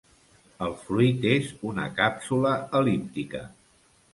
El fruit és una càpsula el·líptica.